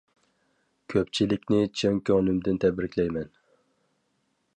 كۆپچىلىكنى چىن كۆڭلۈمدىن تەبرىكلەيمەن!